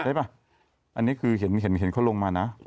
ใช่ป่ะอันนี้คือเห็นเขาลงมานะ